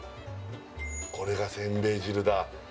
これがせんべい汁だ